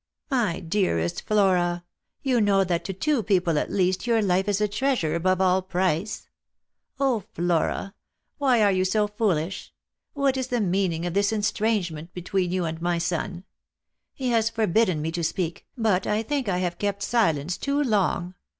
"" My dearest Flora, you know that to two people at least your life is a treasure above all price. Flora, why are you so foolish? What is the meaning of this estrangement between you and my son ? He has forbidden me to speak, but I think I have kept silence too long.